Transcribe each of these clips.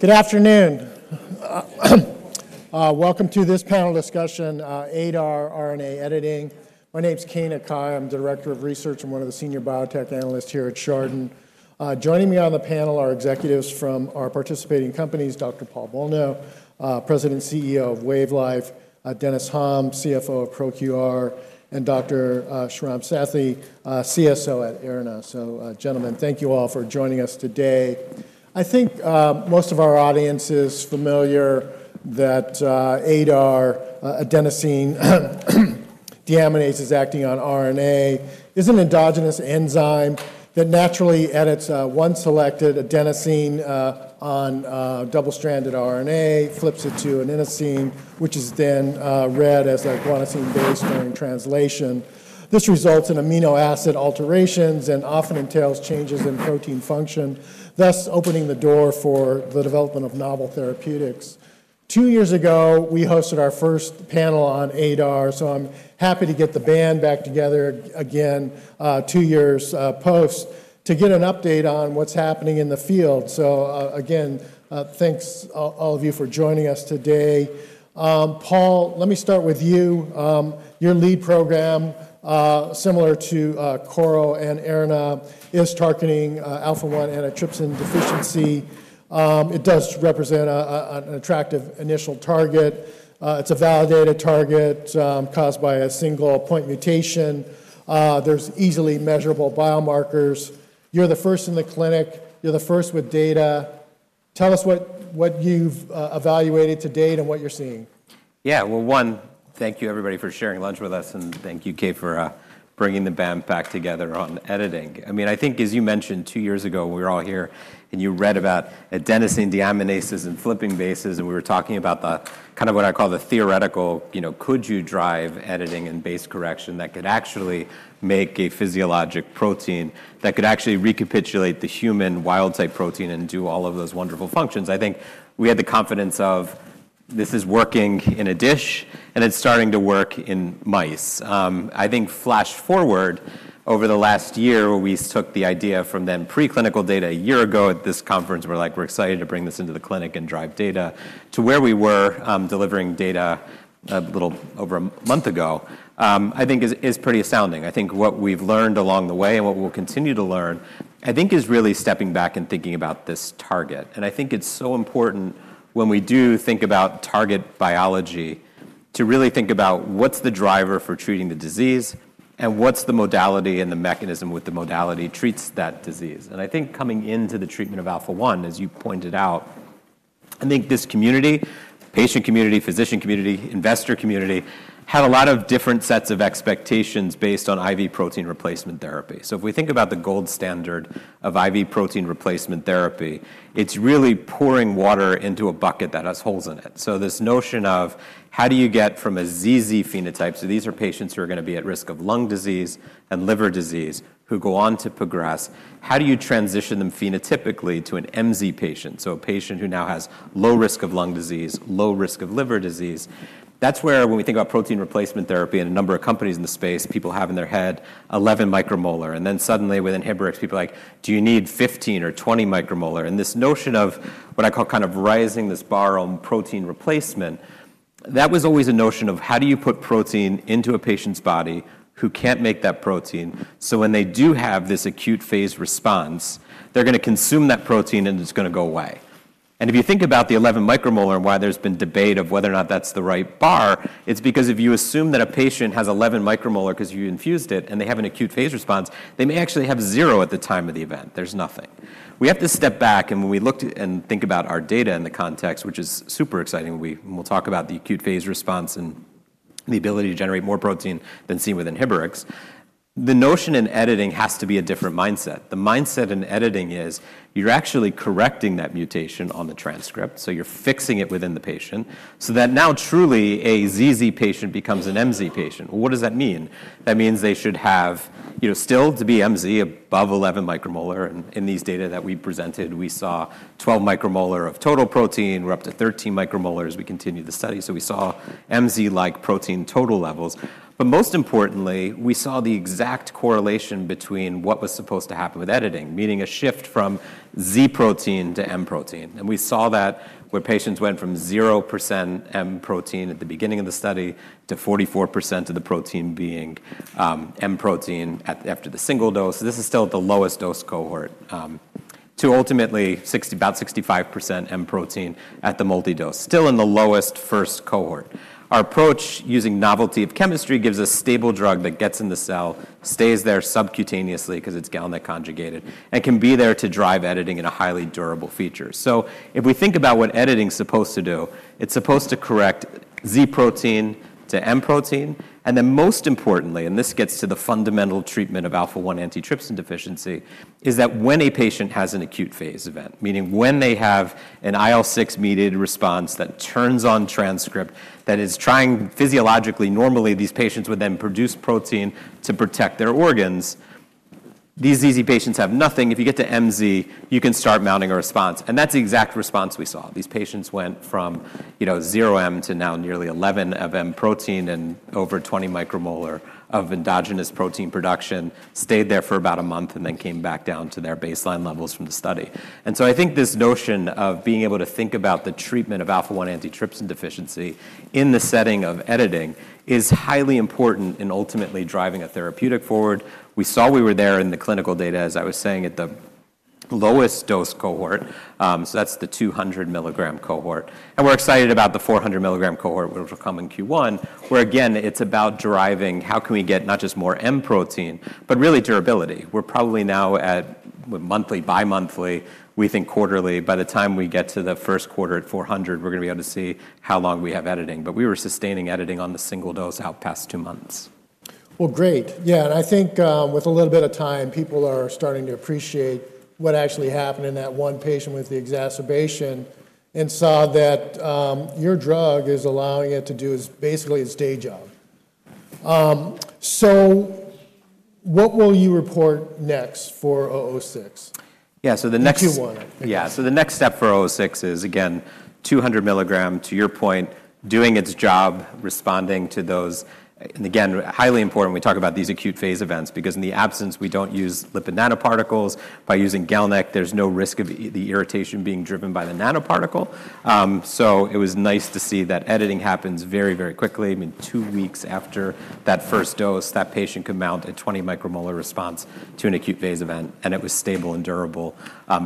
Good afternoon. Welcome to this panel discussion, ADAR RNA editing. My name's Kane Akai. I'm the Director of Research and one of the Senior Biotech Analysts here at Chardan. Joining me on the panel are executives from our participating companies, Dr. Paul Bolno, President and CEO of WAVE Life Sciences, Dennis Hom, CFO of ProQR, and Dr. Sriram Sathy, CSO at AIRNA. Gentlemen, thank you all for joining us today. I think most of our audience is familiar with that ADAR, adenosine deaminase acting on RNA, is an endogenous enzyme that naturally edits one selected adenosine on double-stranded RNA, flips it to an enzyme, which is then read as a guanosine base during translation. This results in amino acid alterations and often entails changes in protein function, thus opening the door for the development of novel therapeutics. Two years ago, we hosted our first panel on ADAR, and I'm happy to get the band back together again two years post to get an update on what's happening in the field. Again, thanks all of you for joining us today. Paul, let me start with you. Your lead program, similar to [Corno] and AIRNA, is targeting alpha-1 antitrypsin deficiency. It does represent an attractive initial target. It's a validated target caused by a single point mutation. There are easily measurable biomarkers. You're the first in the clinic. You're the first with data. Tell us what you've evaluated to date and what you're seeing. Thank you everybody for sharing lunch with us, and thank you, Kane, for bringing the band back together on editing. I think, as you mentioned, two years ago, we were all here and you read about adenosine deaminases and flipping bases, and we were talking about kind of what I call the theoretical, you know, could you drive editing and base correction that could actually make a physiologic protein that could actually recapitulate the human wild type protein and do all of those wonderful functions? I think we had the confidence of this is working in a dish, and it's starting to work in mice. Flash forward over the last year, where we took the idea from then preclinical data a year ago at this conference, we're excited to bring this into the clinic and drive data to where we were delivering data a little over a month ago, I think is pretty astounding. What we've learned along the way and what we'll continue to learn, I think, is really stepping back and thinking about this target. I think it's so important when we do think about target biology to really think about what's the driver for treating the disease and what's the modality and the mechanism with the modality treats that disease. Coming into the treatment of alpha-1, as you pointed out, I think this community, patient community, physician community, investor community, had a lot of different sets of expectations based on IV protein replacement therapy. If we think about the gold standard of IV protein replacement therapy, it's really pouring water into a bucket that has holes in it. This notion of how do you get from a ZZ phenotype, so these are patients who are going to be at risk of lung disease and liver disease, who go on to progress, how do you transition them phenotypically to an MZ patient, so a patient who now has low risk of lung disease, low risk of liver disease? That's where, when we think about protein replacement therapy and a number of companies in the space, people have in their head 11 micromolar, and then suddenly with inhibitors, people are like, do you need 15 or 20 micromolar? This notion of what I call kind of rising this bar on protein replacement, that was always a notion of how do you put protein into a patient's body who can't make that protein so when they do have this acute phase response, they're going to consume that protein and it's going to go away. If you think about the 11 micromolar and why there's been debate of whether or not that's the right bar, it's because if you assume that a patient has 11 micromolar because you infused it and they have an acute phase response, they may actually have zero at the time of the event. There's nothing. We have to step back, and when we look and think about our data in the context, which is super exciting, we will talk about the acute phase response and the ability to generate more protein than seen with inhibitors. The notion in editing has to be a different mindset. The mindset in editing is you're actually correcting that mutation on the transcript, so you're fixing it within the patient so that now truly a ZZ patient becomes an MZ patient. What does that mean? That means they should have, you know, still to be MZ above 11 micromolar, and in these data that we presented, we saw 12 micromolar of total protein, we're up to 13 micromolar as we continue the study, so we saw MZ-like protein total levels. Most importantly, we saw the exact correlation between what was supposed to happen with editing, meaning a shift from Z protein to M protein. We saw that where patients went from 0% M protein at the beginning of the study to 44% of the protein being M protein after the single dose. This is still the lowest dose cohort to ultimately about 65% M protein at the multi-dose, still in the lowest first cohort. Our approach, using novelty of chemistry, gives a stable drug that gets in the cell, stays there subcutaneously because it's GalNAc-conjugated, and can be there to drive editing in a highly durable feature. If we think about what editing is supposed to do, it's supposed to correct Z protein to M protein, and then most importantly, and this gets to the fundamental treatment of alpha-1 antitrypsin deficiency, is that when a patient has an acute phase event, meaning when they have an IL-6 mediated response that turns on transcript that is trying physiologically, normally these patients would then produce protein to protect their organs, these ZZ patients have nothing. If you get to MZ, you can start mounting a response, and that's the exact response we saw. These patients went from, you know, 0 M to now nearly 11 of M protein and over 20 micromolar of endogenous protein production, stayed there for about a month, and then came back down to their baseline levels from the study. I think this notion of being able to think about the treatment of alpha-1 antitrypsin deficiency in the setting of editing is highly important in ultimately driving a therapeutic forward. We saw we were there in the clinical data, as I was saying, at the lowest dose cohort, that's the 200 mg cohort. We're excited about the 400 mg cohort, which will come in Q1, where again it's about driving how can we get not just more M protein, but really durability. We're probably now at monthly, bimonthly, we think quarterly. By the time we get to the first quarter at 400, we're going to be able to see how long we have editing. We were sustaining editing on the single dose out past two months. Great. I think with a little bit of time, people are starting to appreciate what actually happened in that one patient with the exacerbation and saw that your drug is allowing it to do basically its day job. What will you report next for O06? Yeah, the next. Q1, I think. Yeah, so the next step for O06 is again 200 mg, to your point, doing its job, responding to those, and again, highly important when we talk about these acute phase events because in the absence, we don't use lipid nanoparticles. By using GalNAc, there's no risk of the irritation being driven by the nanoparticle. It was nice to see that editing happens very, very quickly. I mean, two weeks after that first dose, that patient could mount a 20 micromolar response to an acute phase event, and it was stable and durable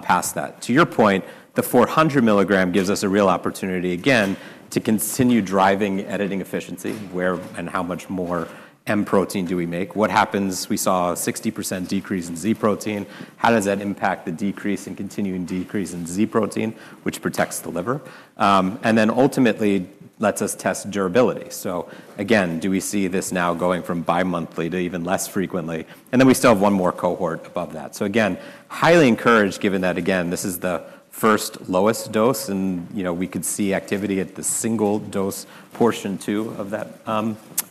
past that. To your point, the 400 mg gives us a real opportunity again to continue driving editing efficiency. Where and how much more M protein do we make? What happens? We saw a 60% decrease in Z protein. How does that impact the decrease and continuing decrease in Z protein, which protects the liver? Ultimately, it lets us test durability. Do we see this now going from bimonthly to even less frequently? We still have one more cohort above that. Highly encouraged given that this is the first lowest dose, and you know, we could see activity at the single dose portion too of that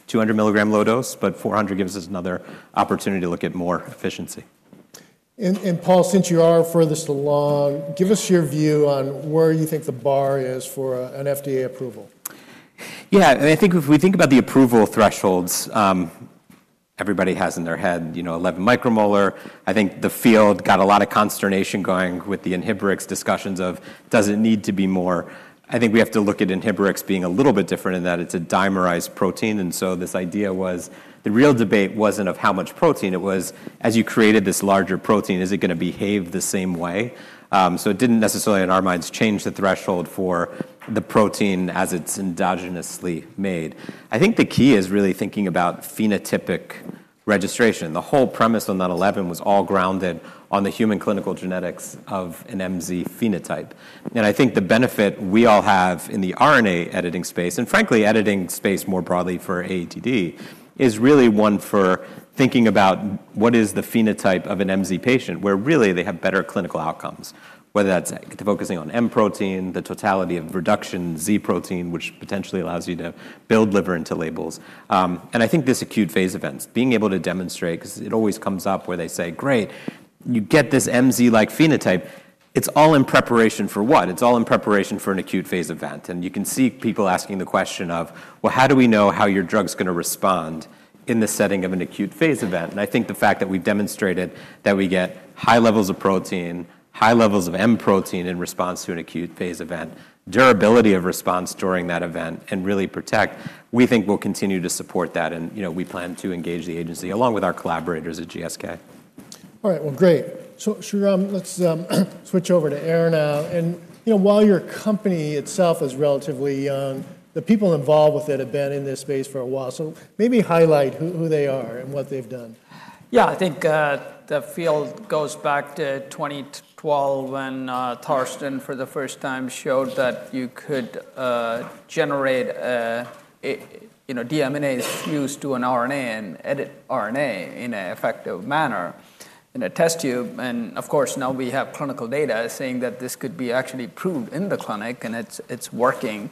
200 mg low dose, but 400 gives us another opportunity to look at more efficiency. Paul, since you are furthest along, give us your view on where you think the bar is for an FDA approval. Yeah, and I think if we think about the approval thresholds, everybody has in their head, you know, 11 micromolar. I think the field got a lot of consternation going with the inhibitor discussions of does it need to be more? We have to look at inhibitor being a little bit different in that it's a dimerized protein, and this idea was the real debate wasn't of how much protein, it was as you created this larger protein, is it going to behave the same way? It didn't necessarily in our minds change the threshold for the protein as it's endogenously made. I think the key is really thinking about phenotypic registration. The whole premise on that 11 was all grounded on the human clinical genetics of an MZ phenotype. I think the benefit we all have in the RNA editing space, and frankly editing space more broadly for AATD, is really one for thinking about what is the phenotype of an MZ patient where really they have better clinical outcomes, whether that's focusing on M protein, the totality of reduction Z protein, which potentially allows you to build liver into labels. This acute phase events, being able to demonstrate, because it always comes up where they say, great, you get this MZ-like phenotype, it's all in preparation for what? It's all in preparation for an acute phase event. You can see people asking the question of, how do we know how your drug's going to respond in the setting of an acute phase event? The fact that we've demonstrated that we get high levels of protein, high levels of M protein in response to an acute phase event, durability of response during that event, and really protect, we think we'll continue to support that. We plan to engage the agency along with our collaborators at GSK. All right, great. Shram, let's switch over to AIRNA. Your company itself is relatively young, but the people involved with it have been in this space for a while. Maybe highlight who they are and what they've done. Yeah, I think the field goes back to 2012 when Thorsten for the first time showed that you could generate a, you know, deaminase fused to an RNA and edit RNA in an effective manner in a test tube. Of course, now we have clinical data saying that this could be actually proved in the clinic and it's working.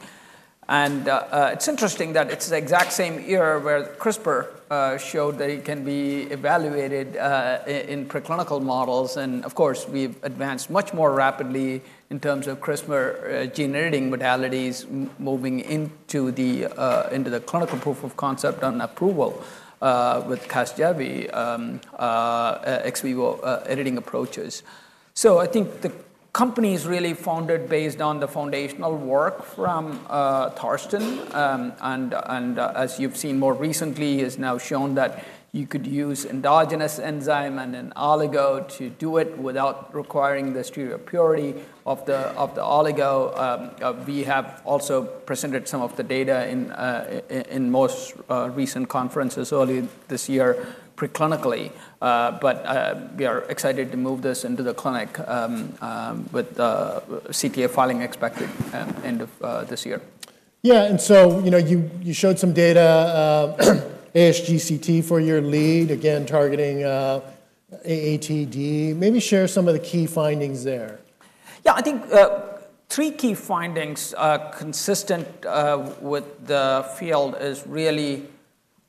It's interesting that it's the exact same year where CRISPR showed that it can be evaluated in preclinical models. We've advanced much more rapidly in terms of CRISPR gene editing modalities moving into the clinical proof-of-concept on approval with Casgevy XVIVO editing approaches. I think the company is really founded based on the foundational work from Thorsten. As you've seen more recently, it has now shown that you could use endogenous enzyme and an oligo to do it without requiring the strict purity of the oligo. We have also presented some of the data in most recent conferences early this year preclinically. We are excited to move this into the clinic with the CTA filing expected end of this year. Yeah, and you know, you showed some data at ASGCT for your lead, again targeting AATD. Maybe share some of the key findings there. Yeah, I think three key findings are consistent with the field is really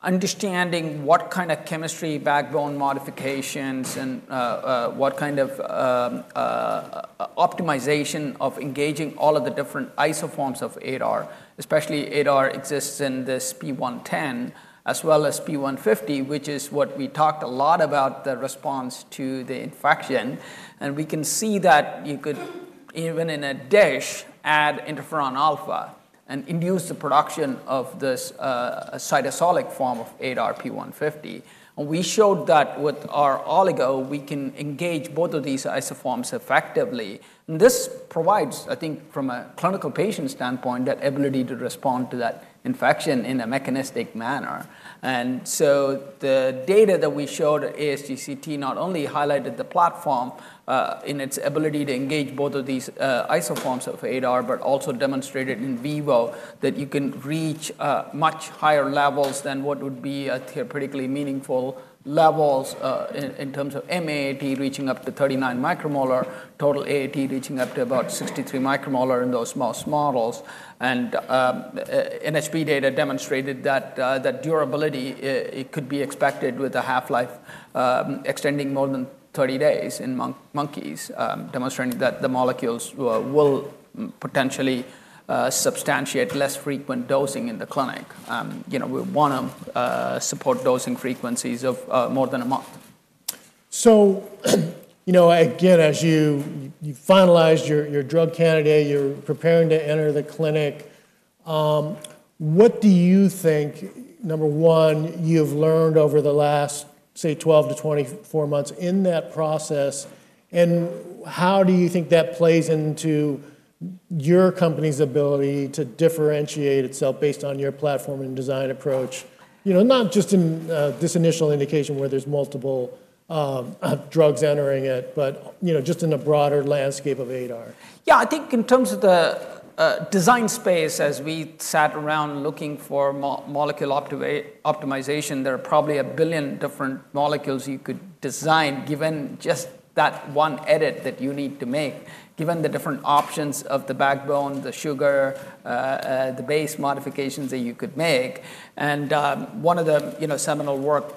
understanding what kind of chemistry backbone modifications and what kind of optimization of engaging all of the different isoforms of ADAR, especially ADAR exists in this P110 as well as P150, which is what we talked a lot about the response to the infection. We can see that you could even in a dish add interferon alpha and induce the production of this cytosolic form of ADAR P150. We showed that with our oligo, we can engage both of these isoforms effectively. This provides, I think, from a clinical patient standpoint, that ability to respond to that infection in a mechanistic manner. The data that we showed at ASGCT not only highlighted the platform in its ability to engage both of these isoforms of ADAR, but also demonstrated in vivo that you can reach much higher levels than what would be theoretically meaningful levels in terms of MAT reaching up to 39 micromolar, total AAT reaching up to about 63 micromolar in those mouse models. NHP data demonstrated that that durability could be expected with a half-life extending more than 30 days in monkeys, demonstrating that the molecules will potentially substantiate less frequent dosing in the clinic. We want to support dosing frequencies of more than a month. As you finalized your drug candidate, you're preparing to enter the clinic. What do you think, number one, you've learned over the last, say, 12-24 months in that process? How do you think that plays into your company's ability to differentiate itself based on your platform and design approach? Not just in this initial indication where there's multiple drugs entering it, but in a broader landscape of ADAR. Yeah, I think in terms of the design space, as we sat around looking for molecule optimization, there are probably a billion different molecules you could design given just that one edit that you need to make, given the different options of the backbone, the sugar, the base modifications that you could make. One of the seminal works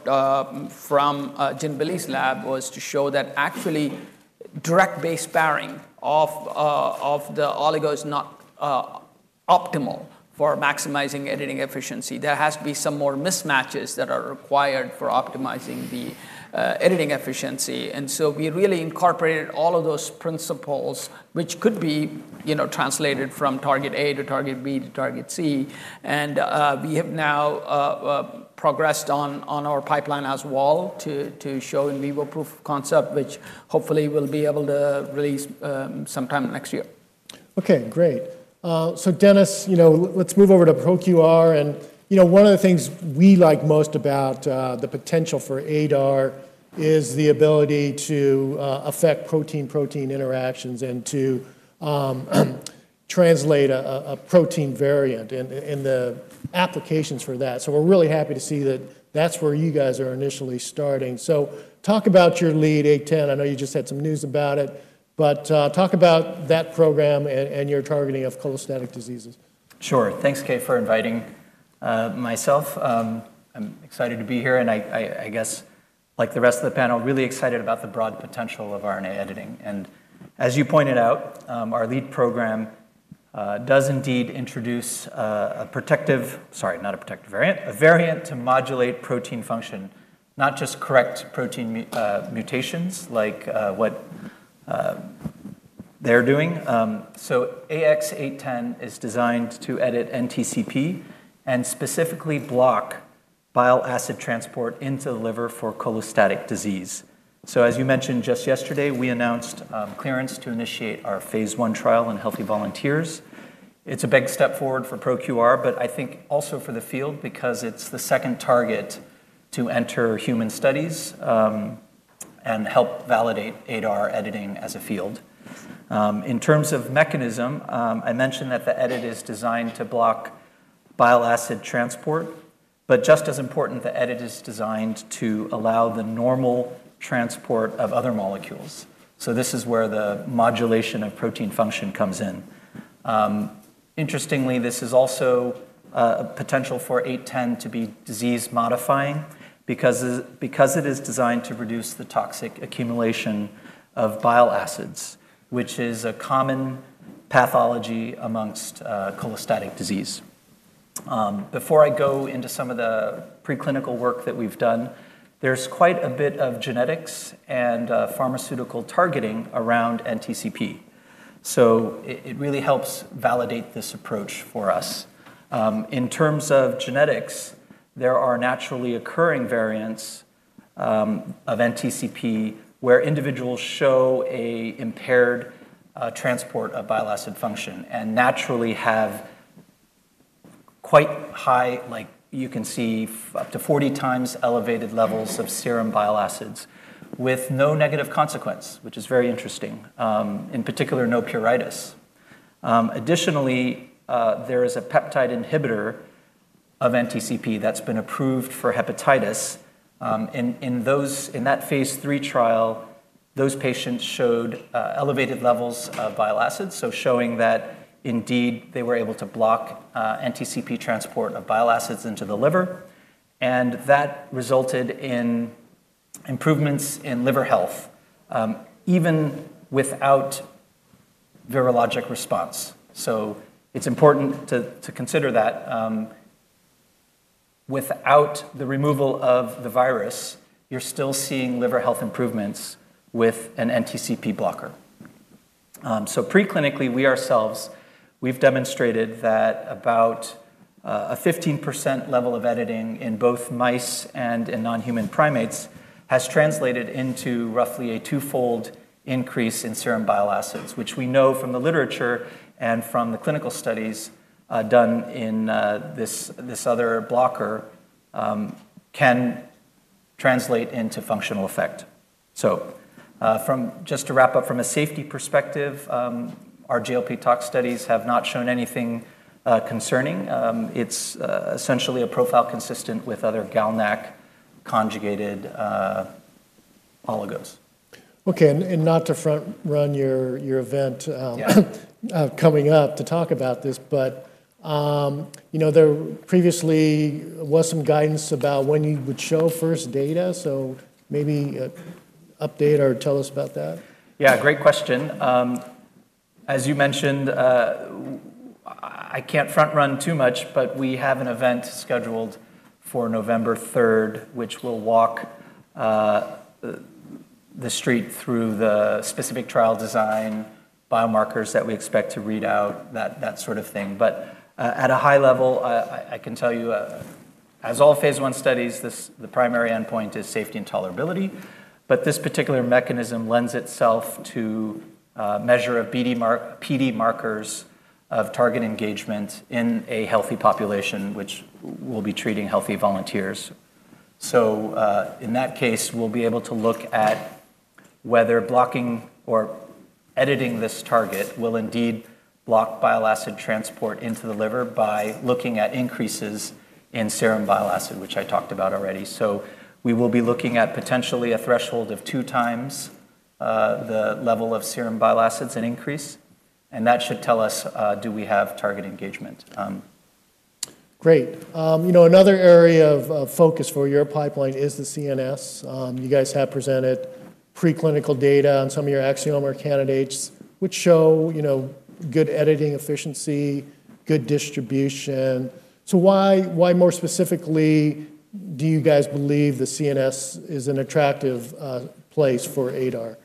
from Jinbilie's lab was to show that actually direct base sparing of the oligo is not optimal for maximizing editing efficiency. There have to be some more mismatches that are required for optimizing the editing efficiency. We really incorporated all of those principles, which could be, you know, translated from target A to target B to target C. We have now progressed on our pipeline as well to show in vivo proof of concept, which hopefully we'll be able to release sometime next year. Okay, great. Dennis, let's move over to ProQR. One of the things we like most about the potential for ADAR is the ability to affect protein-protein interactions and to translate a protein variant and the applications for that. We're really happy to see that that's where you guys are initially starting. Talk about your lead, AX-0810. I know you just had some news about it, but talk about that program and your targeting of cholestatic diseases. Sure. Thanks, Kane, for inviting myself. I'm excited to be here, and I guess, like the rest of the panel, really excited about the broad potential of RNA editing. As you pointed out, our lead program does indeed introduce a variant to modulate protein function, not just correct protein mutations like what they're doing. AX-0810 is designed to edit NTCP and specifically block bile acid transport into the liver for cholestatic disease. As you mentioned, just yesterday, we announced clearance to initiate our phase one trial in healthy volunteers. It's a big step forward for ProQR Therapeutics, but I think also for the field because it's the second target to enter human studies and help validate ADAR editing as a field. In terms of mechanism, I mentioned that the edit is designed to block bile acid transport, but just as important, the edit is designed to allow the normal transport of other molecules. This is where the modulation of protein function comes in. Interestingly, this is also a potential for AX-0810 to be disease modifying because it is designed to reduce the toxic accumulation of bile acids, which is a common pathology amongst cholestatic disease. Before I go into some of the preclinical work that we've done, there's quite a bit of genetics and pharmaceutical targeting around NTCP. It really helps validate this approach for us. In terms of genetics, there are naturally occurring variants of NTCP where individuals show an impaired transport of bile acid function and naturally have quite high, like you can see, up to 40x elevated levels of serum bile acids with no negative consequence, which is very interesting. In particular, no pruritus. Additionally, there is a peptide inhibitor of NTCP that's been approved for hepatitis. In that phase three trial, those patients showed elevated levels of bile acids, showing that indeed they were able to block NTCP transport of bile acids into the liver, and that resulted in improvements in liver health even without virologic response. It's important to consider that without the removal of the virus, you're still seeing liver health improvements with an NTCP blocker. Preclinically, we ourselves have demonstrated that about a 15% level of editing in both mice and in non-human primates has translated into roughly a two-fold increase in serum bile acids, which we know from the literature and from the clinical studies done in this other blocker can translate into functional effect. Just to wrap up, from a safety perspective, our GLP tox studies have not shown anything concerning. It's essentially a profile consistent with other GalNAc-conjugated oligos. Okay, not to front run your event coming up to talk about this, but you know, there previously was some guidance about when you would show first data, so maybe update or tell us about that. Yeah, great question. As you mentioned, I can't front run too much, but we have an event scheduled for November 3rd, which will walk the street through the specific trial design, biomarkers that we expect to read out, that sort of thing. At a high level, I can tell you, as all phase one studies, the primary endpoint is safety and tolerability. This particular mechanism lends itself to measure of PD markers of target engagement in a healthy population, which will be treating healthy volunteers. In that case, we'll be able to look at whether blocking or editing this target will indeed block bile acid transport into the liver by looking at increases in serum bile acid, which I talked about already. We will be looking at potentially a threshold of two times the level of serum bile acids in increase, and that should tell us do we have target engagement. Great. Another area of focus for your pipeline is the CNS. You guys have presented preclinical data on some of your Axiomer candidates, which show good editing efficiency, good distribution. Why more specifically do you guys believe the CNS is an attractive place for ADAR?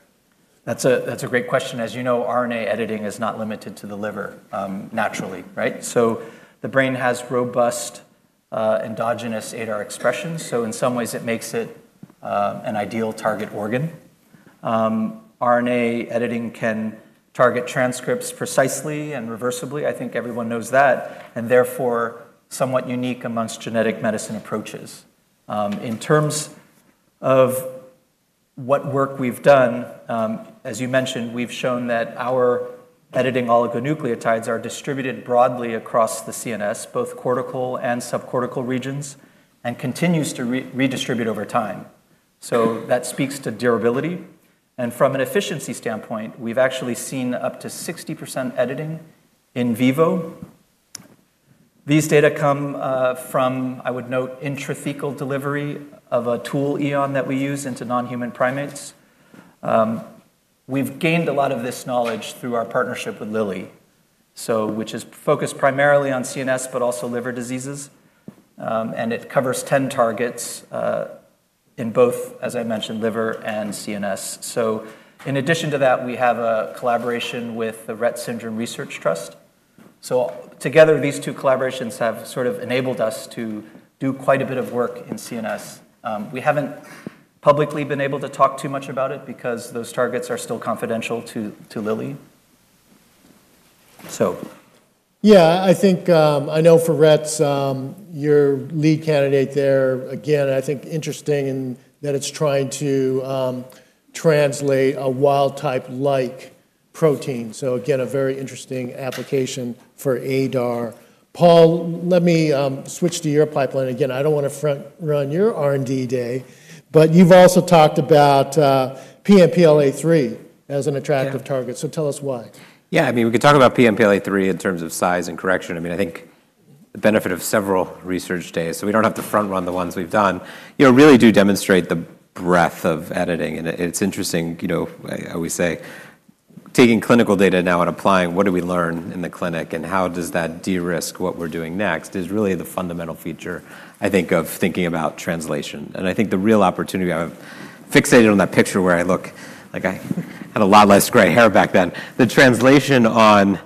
That's a great question. As you know, RNA editing is not limited to the liver naturally, right? The brain has robust endogenous ADAR expressions, so in some ways it makes it an ideal target organ. RNA editing can target transcripts precisely and reversibly. I think everyone knows that, and therefore somewhat unique amongst genetic medicine approaches. In terms of what work we've done, as you mentioned, we've shown that our editing oligonucleotides are distributed broadly across the CNS, both cortical and subcortical regions, and continues to redistribute over time. That speaks to durability, and from an efficiency standpoint, we've actually seen up to 60% editing in vivo. These data come from, I would note, intrathecal delivery of a tool oligonucleotide that we use into non-human primates. We've gained a lot of this knowledge through our partnership with Lilly, which is focused primarily on CNS, but also liver diseases, and it covers 10 targets in both, as I mentioned, liver and CNS. In addition to that, we have a collaboration with the Rett Syndrome Research Trust. Together, these two collaborations have sort of enabled us to do quite a bit of work in CNS. We haven't publicly been able to talk too much about it because those targets are still confidential to Lilly. Yeah, I think I know for Rett's your lead candidate there, again, I think interesting in that it's trying to translate a wild type-like protein. A very interesting application for ADAR. Paul, let me switch to your pipeline again. I don't want to front run your R&D day, but you've also talked about PNPLA3 as an attractive target. Tell us why. Yeah, I mean, we could talk about PNPLA3 in terms of size and correction. I mean, I think the benefit of several research days, so we don't have to front run the ones we've done, you know, really do demonstrate the breadth of editing. It's interesting, you know, we say taking clinical data now and applying what do we learn in the clinic and how does that de-risk what we're doing next is really the fundamental feature, I think, of thinking about translation. I think the real opportunity, I've fixated on that picture where I look like I had a lot less gray hair back then. The translation on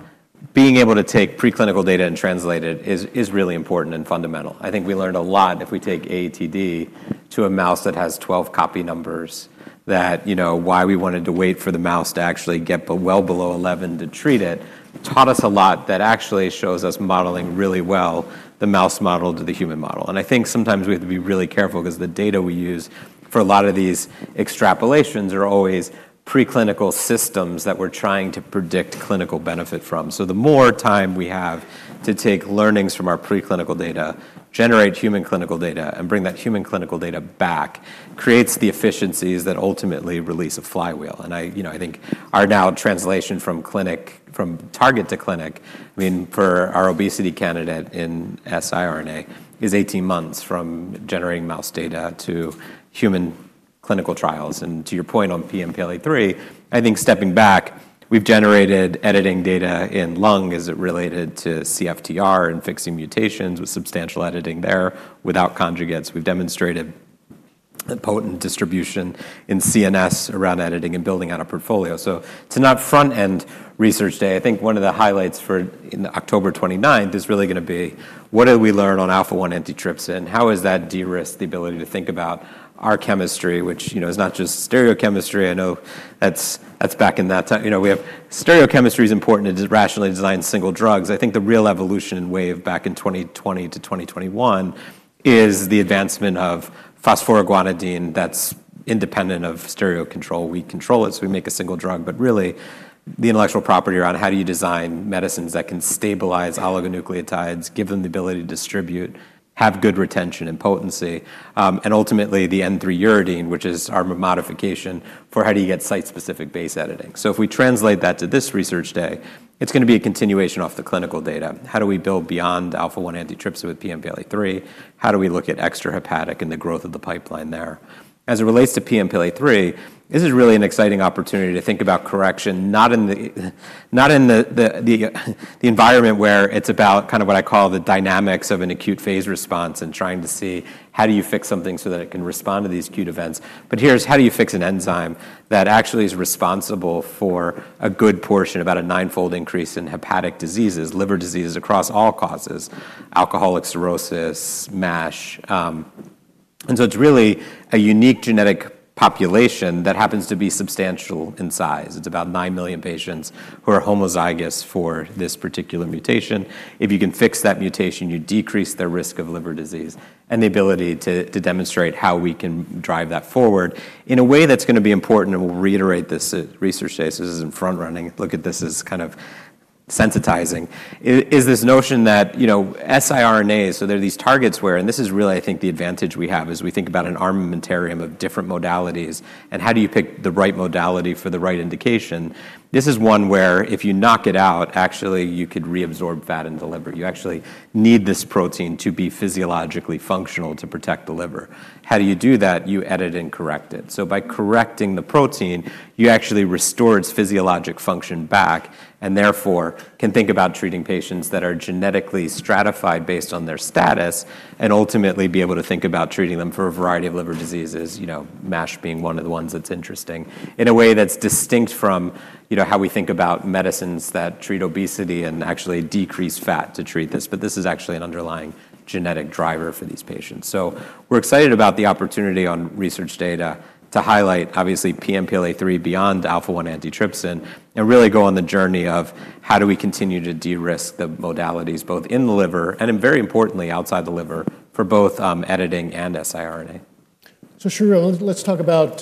being able to take preclinical data and translate it is really important and fundamental. I think we learned a lot if we take AATD to a mouse that has 12 copy numbers that, you know, why we wanted to wait for the mouse to actually get well below 11 to treat it taught us a lot that actually shows us modeling really well, the mouse model to the human model. I think sometimes we have to be really careful because the data we use for a lot of these extrapolations are always preclinical systems that we're trying to predict clinical benefit from. The more time we have to take learnings from our preclinical data, generate human clinical data, and bring that human clinical data back creates the efficiencies that ultimately release a flywheel. I think our now translation from clinic from target to clinic, I mean, for our obesity candidate in siRNA is 18 months from generating mouse data to human clinical trials. To your point on PNPLA3, I think stepping back, we've generated editing data in lung as it related to CFTR and fixing mutations with substantial editing there without conjugates. We've demonstrated a potent distribution in CNS around editing and building out a portfolio. To not front-end research day, I think one of the highlights for October 29 is really going to be what did we learn on alpha-1 antitrypsin? How is that de-risk the ability to think about our chemistry, which, you know, is not just stereochemistry? I know that's back in that time. You know, we have stereochemistry is important to rationally design single drugs. I think the real evolution in WAVE back in 2020 to 2021 is the advancement of phosphoroguanidine that's independent of stereo control. We control it, so we make a single drug, but really the intellectual property around how do you design medicines that can stabilize oligonucleotides, give them the ability to distribute, have good retention and potency, and ultimately the N3-uridine, which is our modification for how do you get site-specific base editing. If we translate that to this research day, it's going to be a continuation of the clinical data. How do we build beyond alpha-1 antitrypsin with PNPLA3? How do we look at extrahepatic and the growth of the pipeline there? As it relates to PNPLA3, this is really an exciting opportunity to think about correction, not in the environment where it's about what I call the dynamics of an acute phase response and trying to see how do you fix something so that it can respond to these acute events. Here's how do you fix an enzyme that actually is responsible for a good portion, about a nine-fold increase in hepatic diseases, liver diseases across all causes, alcoholic cirrhosis, MASH. It's really a unique genetic population that happens to be substantial in size. It's about 9 million patients who are homozygous for this particular mutation. If you can fix that mutation, you decrease the risk of liver disease and the ability to demonstrate how we can drive that forward in a way that's going to be important. We'll reiterate this at research days. This isn't front running. Look at this as kind of sensitizing. Is this notion that, you know, siRNA, so there are these targets where, and this is really, I think, the advantage we have as we think about an armamentarium of different modalities and how do you pick the right modality for the right indication. This is one where if you knock it out, actually you could reabsorb fat in the liver. You actually need this protein to be physiologically functional to protect the liver. How do you do that? You edit and correct it. By correcting the protein, you actually restore its physiologic function back and therefore can think about treating patients that are genetically stratified based on their status and ultimately be able to think about treating them for a variety of liver diseases, MASH being one of the ones that's interesting in a way that's distinct from how we think about medicines that treat obesity and actually decrease fat to treat this. This is actually an underlying genetic driver for these patients. We're excited about the opportunity on research data to highlight, obviously, PNPLA3 beyond alpha-1 antitrypsin and really go on the journey of how do we continue to de-risk the modalities both in the liver and very importantly outside the liver for both editing and siRNA. Let's talk about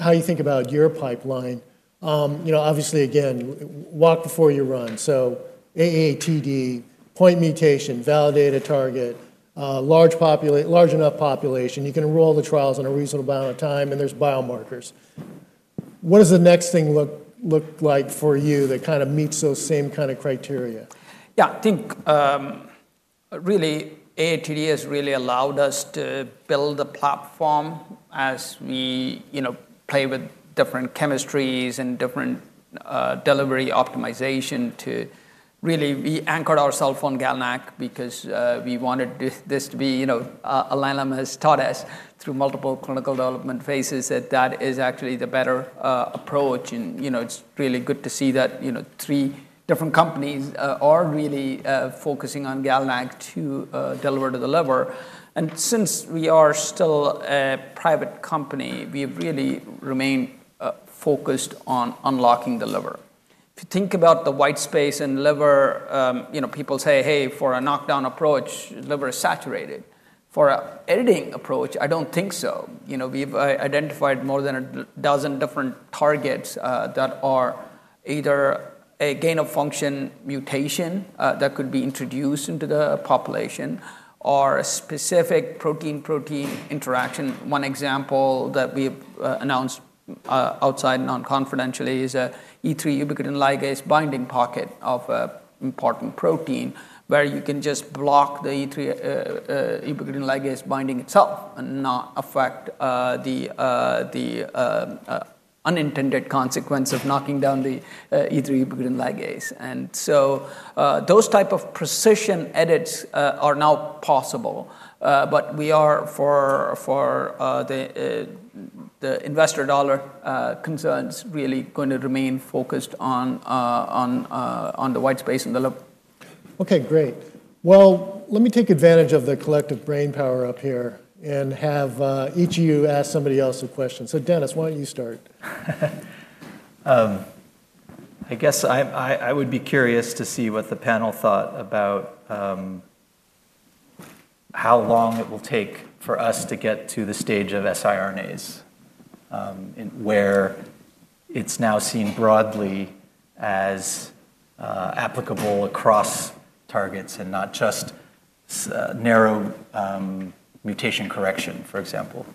how you think about your pipeline. Obviously, again, walk before you run. AATD, point mutation, validated target, large population, large enough population, you can enroll the trials in a reasonable amount of time, and there's biomarkers. What does the next thing look like for you that kind of meets those same kind of criteria? Yeah, I think really AATD has really allowed us to build a platform as we, you know, play with different chemistries and different delivery optimization to really, we anchored ourselves on GalNAc because we wanted this to be, you know, AIRNA has taught us through multiple clinical development phases that that is actually the better approach. It's really good to see that, you know, three different companies are really focusing on GalNAc to deliver to the liver. Since we are still a private company, we have really remained focused on unlocking the liver. If you think about the white space in liver, people say, hey, for a knockdown approach, liver is saturated. For an editing approach, I don't think so. We've identified more than a dozen different targets that are either a gain of function mutation that could be introduced into the population or a specific protein-protein interaction. One example that we have announced outside non-confidentially is an E3 ubiquitin ligase binding pocket of an important protein where you can just block the E3 ubiquitin ligase binding itself and not affect the unintended consequence of knocking down the E3 ubiquitin ligase. Those types of precision edits are now possible, but we are, for the investor dollar concerns, really going to remain focused on the white space in the liver. Okay, great. Let me take advantage of the collective brainpower up here and have each of you ask somebody else a question. Dennis, why don't you start? I guess I would be curious to see what the panel thought about how long it will take for us to get to the stage of siRNAs where it's now seen broadly as applicable across targets and not just narrow mutation correction, for example.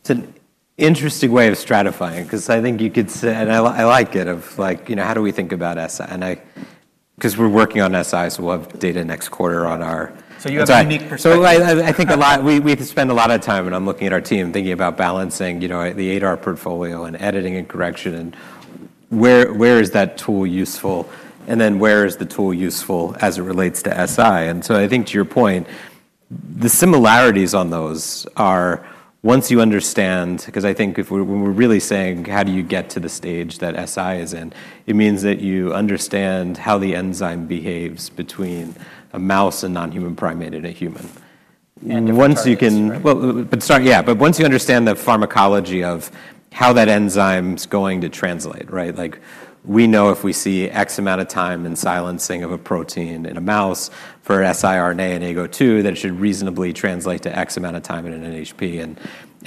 It's an interesting way of stratifying because I think you could say, and I like it of like, you know, how do we think about siRNA because we're working on si, so we'll have data next quarter on our side. I think a lot, we have to spend a lot of time, and I'm looking at our team thinking about balancing, you know, the ADAR portfolio and editing and correction, and where is that tool useful, and then where is the tool useful as it relates to si. I think to your point, the similarities on those are once you understand, because I think when we're really saying how do you get to the stage that si is in, it means that you understand how the enzyme behaves between a mouse and non-human primate and a human. Once you can, but start, yeah, but once you understand the pharmacology of how that enzyme is going to translate, right? Like we know if we see x amount of time in silencing of a protein in a mouse for siRNA and AGO2, that it should reasonably translate to x amount of time in an NHP.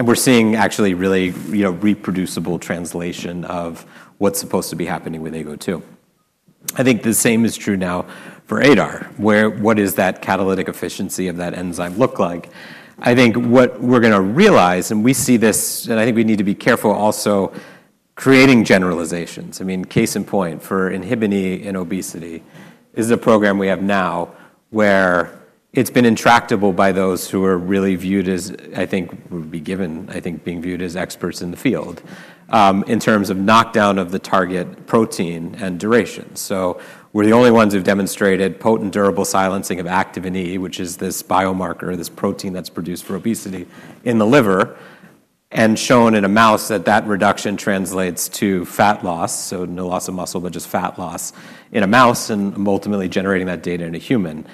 We're seeing actually really, you know, reproducible translation of what's supposed to be happening with AGO2. I think the same is true now for ADAR. What does that catalytic efficiency of that enzyme look like? I think what we're going to realize, and we see this, and I think we need to be careful also creating generalizations. I mean, case in point for inhibini in obesity is the program we have now where it's been intractable by those who are really viewed as, I think, would be given, I think, being viewed as experts in the field in terms of knockdown of the target protein and duration. We're the only ones who've demonstrated potent durable silencing of activini, which is this biomarker, this protein that's produced for obesity in the liver, and shown in a mouse that that reduction translates to fat loss, so no loss of muscle, but just fat loss in a mouse, and ultimately generating that data in a human.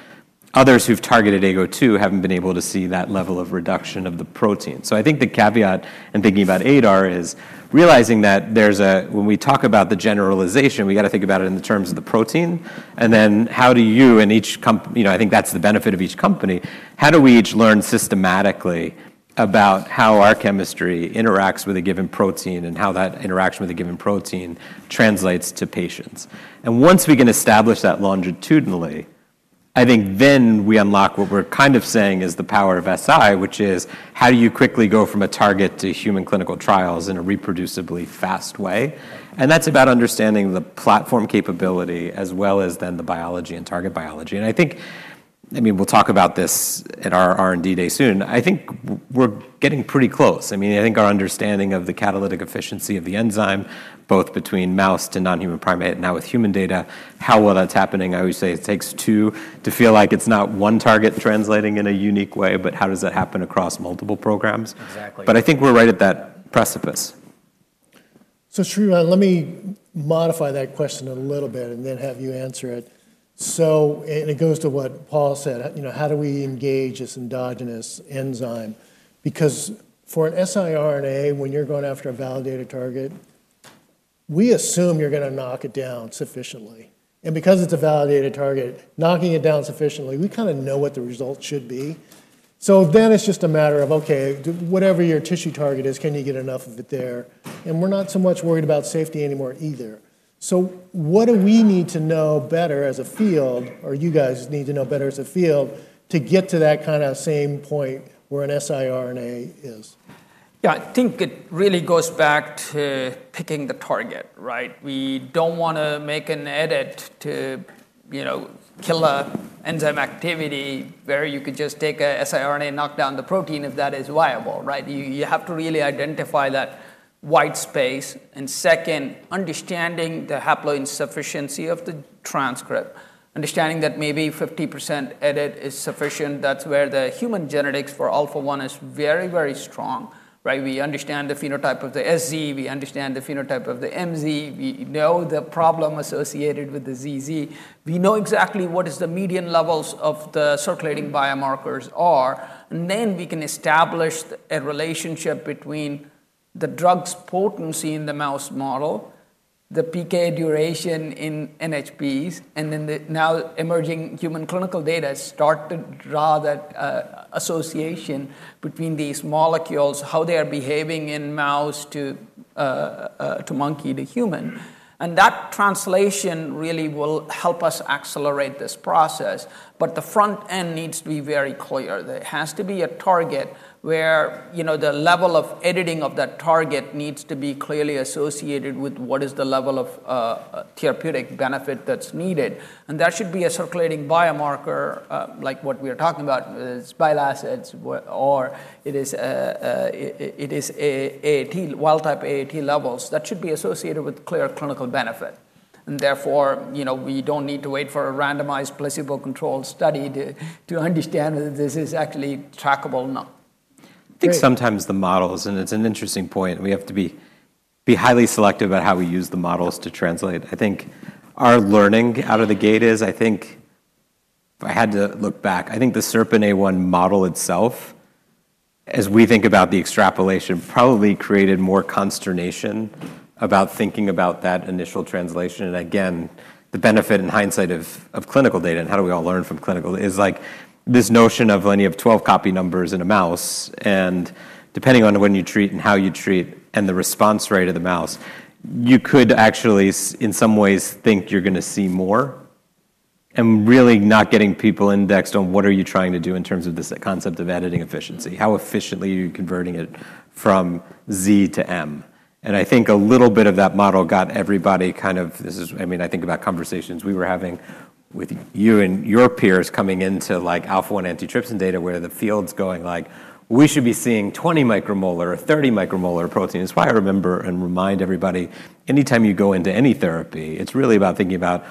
Others who've targeted AGO2 haven't been able to see that level of reduction of the protein. I think the caveat in thinking about ADAR is realizing that when we talk about the generalization, we have to think about it in terms of the protein, and then how do you, and each company, you know, I think that's the benefit of each company, how do we each learn systematically about how our chemistry interacts with a given protein and how that interaction with a given protein translates to patients. Once we can establish that longitudinally, I think then we unlock what we're kind of saying is the power of si, which is how do you quickly go from a target to human clinical trials in a reproducibly fast way. That's about understanding the platform capability as well as the biology and target biology. I think we'll talk about this at our R&D day soon. I think we're getting pretty close. I think our understanding of the catalytic efficiency of the enzyme, both between mouse to non-human primate, and now with human data, how well that's happening. I always say it takes two to feel like it's not one target translating in a unique way, but how does that happen across multiple programs. Exactly. I think we're right at that precipice. Sharon, let me modify that question a little bit and then have you answer it. It goes to what Paul said, you know, how do we engage this endogenous enzyme? For an siRNA, when you're going after a validated target, we assume you're going to knock it down sufficiently. Because it's a validated target, knocking it down sufficiently, we kind of know what the result should be. It's just a matter of, okay, whatever your tissue target is, can you get enough of it there? We're not so much worried about safety anymore either. What do we need to know better as a field, or you guys need to know better as a field, to get to that kind of same point where an siRNA is? Yeah, I think it really goes back to picking the target, right? We don't want to make an edit to, you know, kill an enzyme activity where you could just take an siRNA and knock down the protein if that is viable, right? You have to really identify that white space. Second, understanding the haploinsufficiency of the transcript, understanding that maybe 50% edit is sufficient. That's where the human genetics for alpha-1 is very, very strong, right? We understand the phenotype of the SZ, we understand the phenotype of the MZ, we know the problem associated with the ZZ, we know exactly what the median levels of the circulating biomarkers are, and then we can establish a relationship between the drug's potency in the mouse model, the PK duration in NHPs, and the now emerging human clinical data start to draw that association between these molecules, how they are behaving in mouse to monkey to human. That translation really will help us accelerate this process. The front end needs to be very clear. There has to be a target where, you know, the level of editing of that target needs to be clearly associated with what is the level of therapeutic benefit that's needed. That should be a circulating biomarker like what we're talking about, it's bile acids or it is wild type AAT levels. That should be associated with clear clinical benefit. Therefore, you know, we don't need to wait for a randomized placebo control study to understand whether this is actually trackable or not. I think sometimes the models, and it's an interesting point, we have to be highly selective about how we use the models to translate. I think our learning out of the gate is, if I had to look back, I think the SERPIN A1 model itself, as we think about the extrapolation, probably created more consternation about thinking about that initial translation. The benefit in hindsight of clinical data and how do we all learn from clinical data is like this notion of when you have 12 copy numbers in a mouse, and depending on when you treat and how you treat and the response rate of the mouse, you could actually, in some ways, think you're going to see more. Really not getting people indexed on what are you trying to do in terms of this concept of editing efficiency. How efficiently are you converting it from Z to M? I think a little bit of that model got everybody kind of, this is, I mean, I think about conversations we were having with you and your peers coming into like alpha-1 antitrypsin data where the field's going like, we should be seeing 20 micromolar or 30 micromolar protein. It's why I remember and remind everybody, anytime you go into any therapy, it's really about thinking about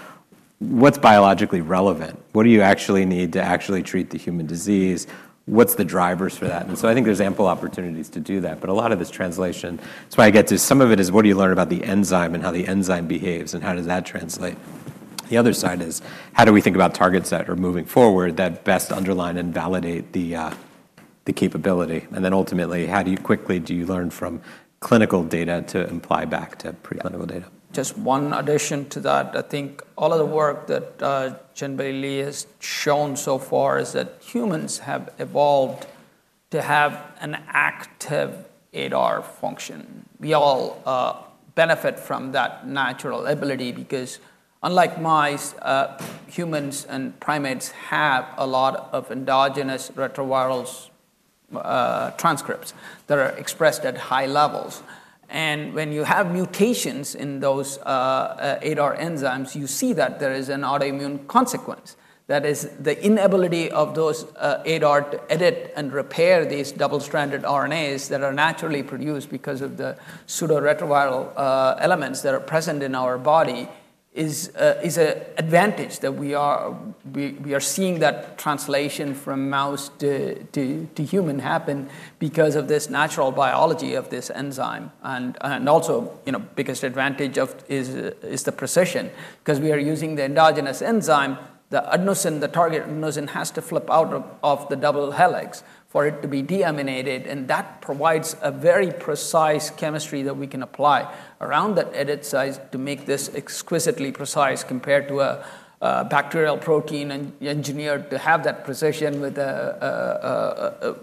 what's biologically relevant. What do you actually need to actually treat the human disease? What's the drivers for that? I think there's ample opportunities to do that. A lot of this translation, that's why I get to some of it is what do you learn about the enzyme and how the enzyme behaves and how does that translate? The other side is how do we think about targets that are moving forward that best underline and validate the capability? Ultimately, how do you quickly do you learn from clinical data to imply back to preclinical data? Just one addition to that, I think all of the work that Jinbey Lee has shown so far is that humans have evolved to have an active ADAR function. We all benefit from that natural ability because unlike mice, humans and primates have a lot of endogenous retroviral transcripts that are expressed at high levels. When you have mutations in those ADAR enzymes, you see that there is an autoimmune consequence. That is the inability of those ADAR to edit and repair these double-stranded RNAs that are naturally produced because of the pseudo-retroviral elements that are present in our body is an advantage. We are seeing that translation from mouse to human happen because of this natural biology of this enzyme. Also, the biggest advantage is the precision because we are using the endogenous enzyme. The adenosine, the target adenosine, has to flip out of the double helix for it to be deaminated. That provides a very precise chemistry that we can apply around that edit site to make this exquisitely precise compared to a bacterial protein engineered to have that precision,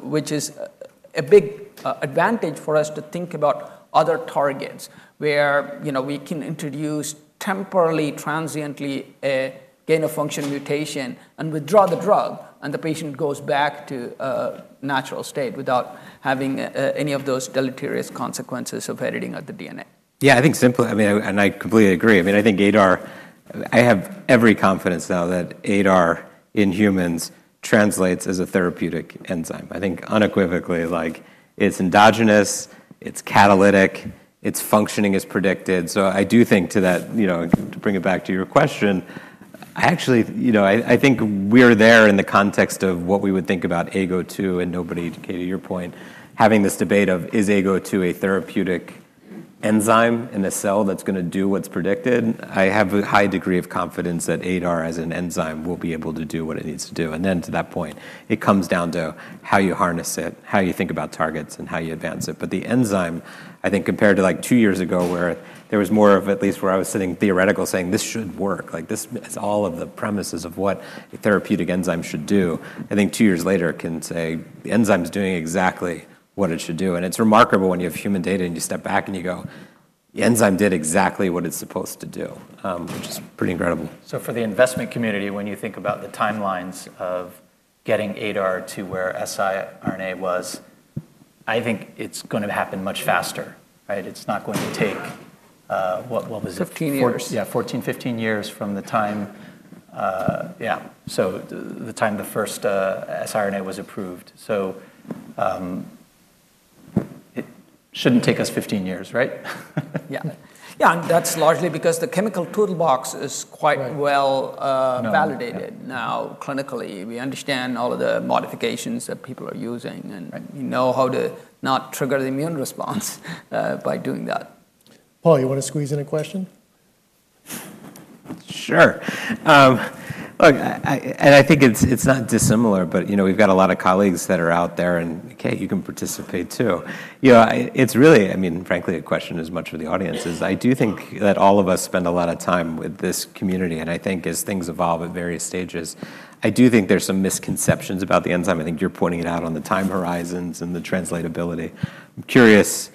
which is a big advantage for us to think about other targets where we can introduce temporarily, transiently a gain of function mutation and withdraw the drug, and the patient goes back to a natural state without having any of those deleterious consequences of editing at the DNA. Yeah, I think simply, I mean, and I completely agree. I mean, I think ADAR, I have every confidence now that ADAR in humans translates as a therapeutic enzyme. I think unequivocally, like it's endogenous, it's catalytic, its functioning is predicted. I do think to that, you know, to bring it back to your question, I actually, you know, I think we're there in the context of what we would think about AGO2 and nobody, Kane, to your point, having this debate of is AGO2 a therapeutic enzyme in a cell that's going to do what's predicted? I have a high degree of confidence that ADAR as an enzyme will be able to do what it needs to do. To that point, it comes down to how you harness it, how you think about targets, and how you advance it. The enzyme, I think compared to like two years ago where there was more of at least where I was sitting theoretical saying this should work, like this is all of the premises of what a therapeutic enzyme should do. I think two years later it can say the enzyme is doing exactly what it should do. It's remarkable when you have human data and you step back and you go, the enzyme did exactly what it's supposed to do, which is pretty incredible. For the investment community, when you think about the timelines of getting ADAR to where siRNA was, I think it's going to happen much faster, right? It's not going to take what was it? 15 years. Yeah, 14, 15 years from the time, yeah, the time the first siRNA was approved. It shouldn't take us 15 years, right? Yeah, yeah, that's largely because the chemical toolbox is quite well validated now clinically. We understand all of the modifications that people are using, and we know how to not trigger the immune response by doing that. Paul, you want to squeeze in a question? Sure. Look, I think it's not dissimilar, but we've got a lot of colleagues that are out there, and Kane, you can participate too. It's really, frankly, a question as much for the audience as I do think that all of us spend a lot of time with this community, and I think as things evolve at various stages, I do think there's some misconceptions about the enzyme. I think you're pointing it out on the time horizons and the translatability. I'm curious,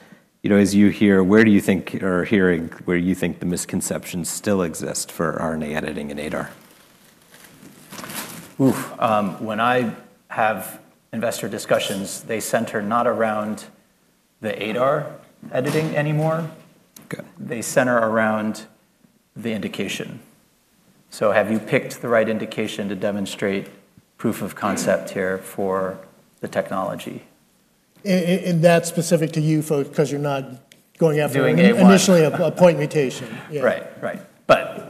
as you hear, where do you think or hearing where you think the misconceptions still exist for RNA editing and ADAR? When I have investor discussions, they center not around the ADAR editing anymore. They center around the indication. Have you picked the right indication to demonstrate proof of concept here for the technology? That is specific to you folks because you're not going after initially a point mutation. Right, right.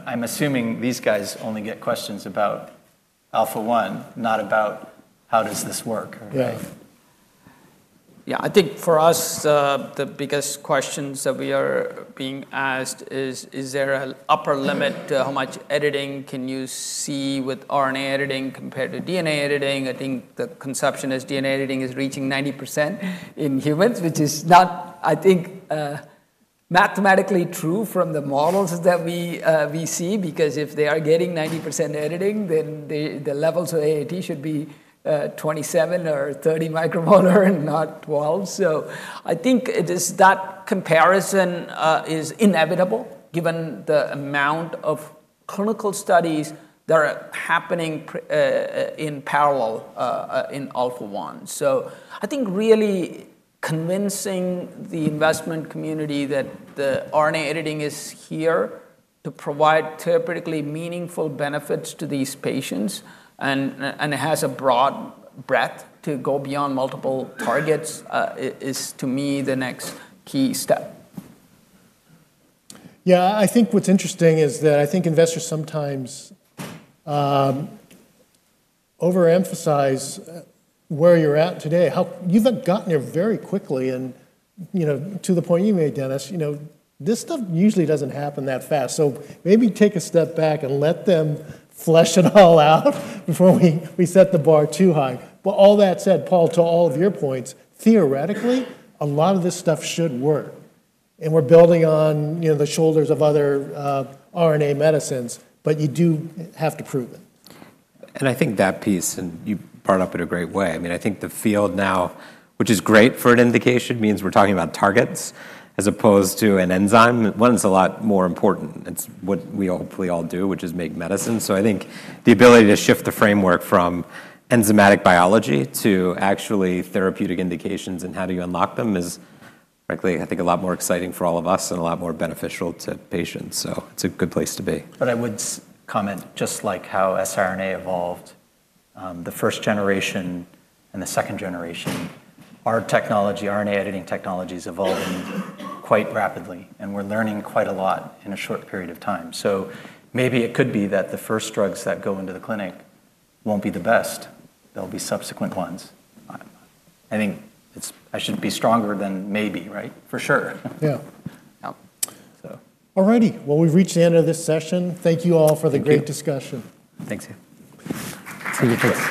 I'm assuming these guys only get questions about AATD, not about how does this work. Yeah, I think for us, the biggest questions that we are being asked is, is there an upper limit to how much editing can you see with RNA editing compared to DNA editing? I think the conception is DNA editing is reaching 90% in humans, which is not, I think, mathematically true from the models that we see because if they are getting 90% editing, then the levels of AAT should be 27 or 30 micromolar and not 12. I think that comparison is inevitable given the amount of clinical studies that are happening in parallel in alpha-1. I think really convincing the investment community that the RNA editing is here to provide therapeutically meaningful benefits to these patients and it has a broad breadth to go beyond multiple targets is to me the next key step. I think what's interesting is that I think investors sometimes overemphasize where you're at today. You've gotten there very quickly and, to the point you made, Dennis, this stuff usually doesn't happen that fast. Maybe take a step back and let them flesh it all out before we set the bar too high. All that said, Paul, to all of your points, theoretically, a lot of this stuff should work and we're building on the shoulders of other RNA medicines, but you do have to prove it. I think that piece, and you brought up it a great way, I mean, I think the field now, which is great for an indication, means we're talking about targets as opposed to an enzyme. One is a lot more important. It's what we hopefully all do, which is make medicine. I think the ability to shift the framework from enzymatic biology to actually therapeutic indications and how do you unlock them is likely, I think, a lot more exciting for all of us and a lot more beneficial to patients. It's a good place to be. I would comment just like how siRNA evolved, the first generation and the second generation, our technology, RNA editing technology, is evolving quite rapidly and we're learning quite a lot in a short period of time. Maybe it could be that the first drugs that go into the clinic won't be the best. There'll be subsequent ones. I think I should be stronger than maybe, right? For sure. Alrighty, we've reached the end of this session. Thank you all for the great discussion. Thanks, you. Thank you.